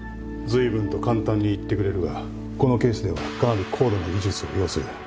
随分と簡単に言ってくれるがこのケースではかなり高度な技術を要する。